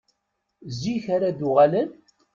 Zik ara d-uɣalen?